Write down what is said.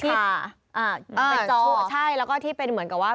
ที่เป็นจอใช่แล้วก็ที่เป็นเหมือนกับว่า